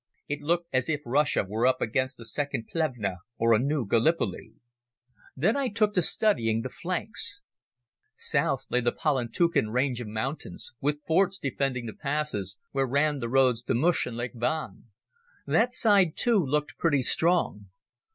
It looked as if Russia were up against a second Plevna or a new Gallipoli. Then I took to studying the flanks. South lay the Palantuken range of mountains, with forts defending the passes, where ran the roads to Mush and Lake Van. That side, too, looked pretty strong.